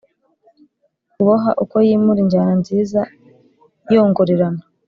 kuboha uko yimura injyana nziza yongorerana.